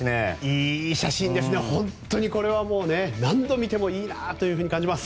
いい写真ですね、本当に何度見てもいいなと感じます。